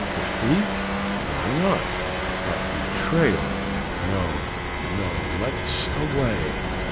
defeat? why not? but betrayal!... no, no, let's away.